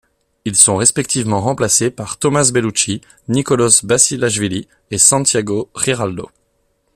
Ils sont respectivement remplacés par Thomaz Bellucci, Nikoloz Basilashvili et Santiago Giraldo.